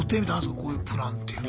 こういうプランっていうのは？